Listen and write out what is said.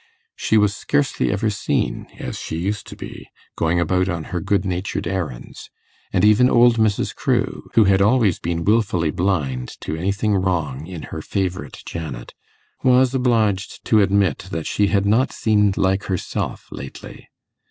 She was scarcely ever seen, as she used to be, going about on her good natured errands; and even old Mrs. Crewe, who had always been wilfully blind to anything wrong in her favourite Janet, was obliged to admit that she had not seemed like herself lately.